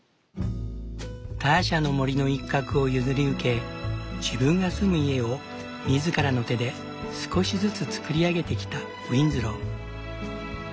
ターシャの森の一画を譲り受け自分が住む家を自らの手で少しずつ造り上げてきたウィンズロー。